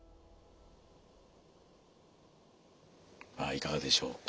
いかがでしょうか。